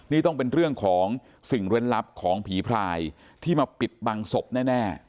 นี่ต้องเป็นเรื่องของสิ่งเล่นลับของผีพรายที่มาปิดบังศพแน่